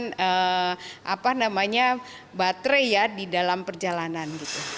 jadi kita tidak akan menambah di dalam apa namanya baterai ya di dalam perjalanan